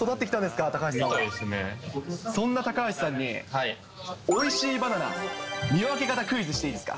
そんな高橋さんに、おいしいバナナ、見分け方クイズ、していいですか。